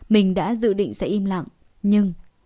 mình đã dự định sẽ im lặng nhưng